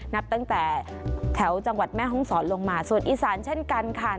นับตั้งแต่แถวจังหวัดแม่ห้องศรลงมาส่วนอีสานเช่นกันค่ะ